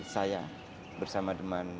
saya bersama dengan